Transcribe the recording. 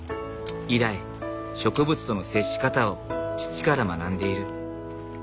以来植物との接し方を父から学んでいる。